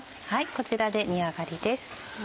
こちらで煮上がりです。